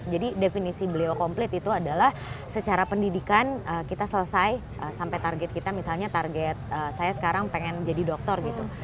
jadi definisi beliau komplit itu adalah secara pendidikan kita selesai sampai target kita misalnya target saya sekarang pengen jadi doktor gitu